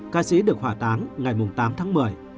ca sĩ được hỏa tán ngày tám tháng một mươi